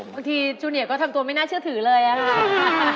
จูเนียก็ทำตัวไม่น่าเชื่อถือเลยอะค่ะ